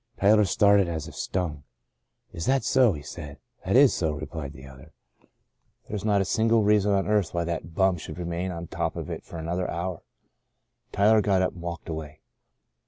Tyler started as if stung. " Is that so ?" he said. " That is so," replied the other. " There's not a single reason on 72 Into a Far Country earth why that bum should remain on top of it for another hour." Tyler got up and walked away.